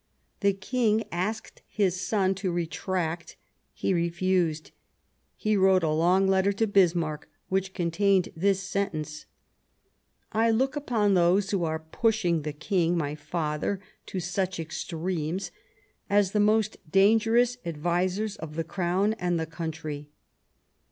The King asked his son to retract : he refused. He wrote a long letter to Bismarck which contained this sentence :" I look upon those who are pushing the King, my father, to such extremes as the most dangerous advisers of the Crown and the country."